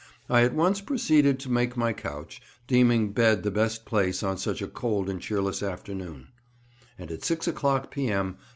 I at once proceeded to make my couch, deeming bed the best place on such a cold and cheerless afternoon; and 6 o'clock P.M.